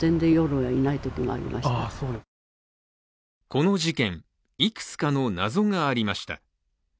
この事件、いくつかの謎がありました。